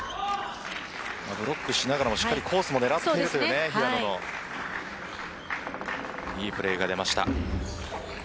ブロックしながらもしっかりコースを狙っていくという平野のいいプレーが出ました。